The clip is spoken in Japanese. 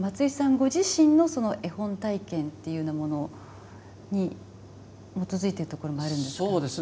ご自身の絵本体験というものに基づいてるところもあるんですか？